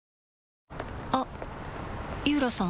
あっ井浦さん